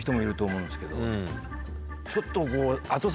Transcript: ちょっとこう。